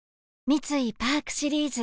三井パークシリーズ